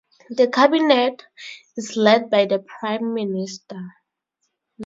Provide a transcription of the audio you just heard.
The Cabinet is led by the Prime Minister.